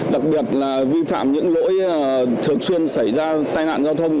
đặc biệt là vi phạm những lỗi thường xuyên xảy ra tai nạn giao thông